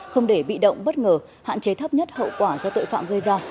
không để bị động bất ngờ hạn chế thấp nhất hậu quả do tội phạm gây ra